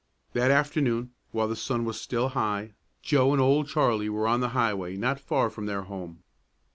That afternoon, while the sun was still high, Joe and Old Charlie were on the highway not far from their home.